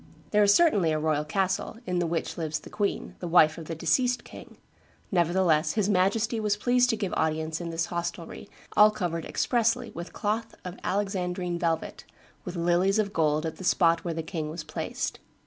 There is certainly a royal castle, in the which lives the queen, the wife of the deceased king; nevertheless his Majesty was pleased to give audience in this hostelry, all covered expressly with cloth of Alexandrine velvet, with lilies of gold at the spot where the king was placed.